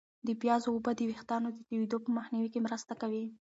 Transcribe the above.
د پیازو اوبه د ویښتانو د توییدو په مخنیوي کې مرسته کوي.